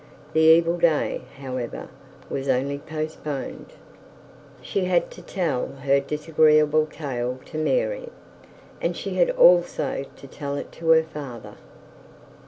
The evil day, however, was only postponed. She had to tell her disagreeable tale to Mary, and she had also to tell it to her father.